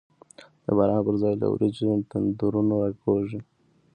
د باران پر ځای له وریځو، تندرونه راکوزیږی